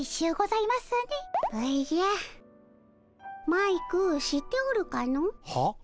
マイク知っておるかの？は？